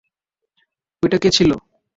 ওটা কে ছিল?